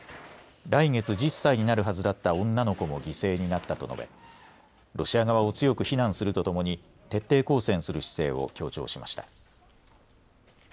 来月１０歳になるはずだった女の子も犠牲になったと述べロシア側を強く非難するとともに徹底抗戦する姿勢を強調しました。